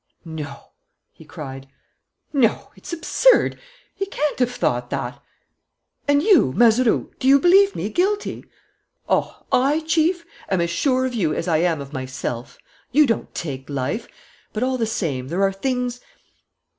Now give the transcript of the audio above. "No," he cried, "no!... It's absurd ... he can't have thought that!... And you, Mazeroux, do you believe me guilty?" "Oh, I, Chief, am as sure of you as I am of myself!... You don't take life!... But, all the same, there are things